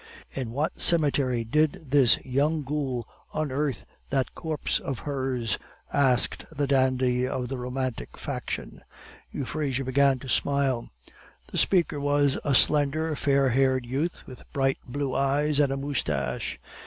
"In what cemetery did this young ghoul unearth that corpse of hers?" asked a dandy of the Romantic faction. Euphrasia began to smile. The speaker was a slender, fair haired youth, with bright blue eyes, and a moustache.